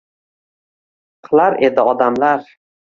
Qilar edi odamlar?